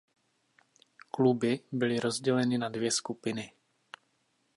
Kluby byli rozděleny na dvě skupiny.